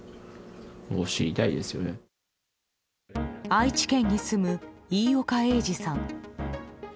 愛知県に住む、飯岡英治さん。